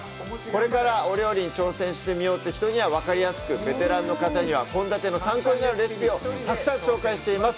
これからお料理に挑戦してみようって人には分かりやすく、ベテランの方には献立の参考になるレシピをたくさん紹介しています。